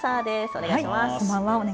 お願いします。